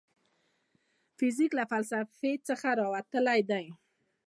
فزیک له فلسفې څخه راوتلی دی.